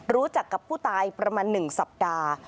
รู้จักกับผู้ตายประมาณ๑สัปดาห์